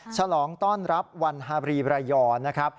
ฉลองต้อนรับวันฮารีบรายยอร์